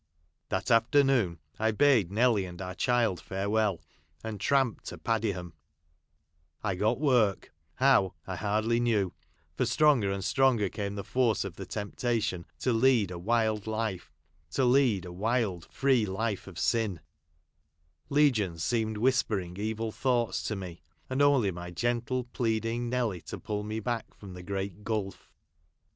That afternoon I bade Nelly and our child farewell, and tramped to Padiham. I got work — how I hardly know ; for stronger and stronger came the force of the temptation to lead a wild, free life of sin ; legions seemed whispering evil thoughts to me, and only my gentle, pleading Nelly to pull me back from the great gulph.